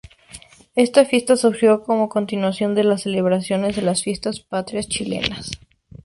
Esta fiesta surgió como continuación de las celebraciones de las Fiestas Patrias chilenas.